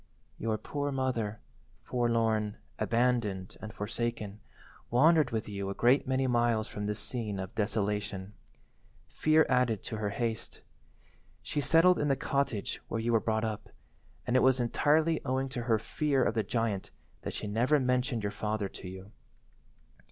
"Your poor mother, forlorn, abandoned, and forsaken, wandered with you a great many miles from this scene of desolation. Fear added to her haste. She settled in the cottage where you were brought up, and it was entirely owing to her fear of the giant that she never mentioned your father to you.